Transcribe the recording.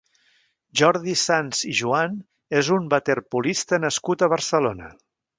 Jordi Sans i Juan és un waterpolista nascut a Barcelona.